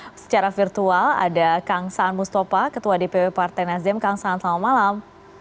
secara virtual ada kang saan mustopha ketua dpw partai nasdem kang saan selamat malam